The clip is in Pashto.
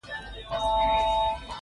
تبلیغ منع شو.